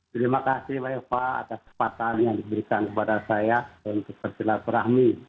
terima kasih banyak pak atas kesempatan yang diberikan kepada saya dan kepercayaan berahmi